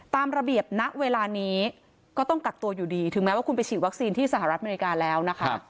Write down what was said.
ตามระเบียบณเวลานี้ก็ต้องกักตัวอยู่ดีถึงแม้ว่าคุณไปฉีดวัคซีนที่สหรัฐอเมริกาแล้วนะคะ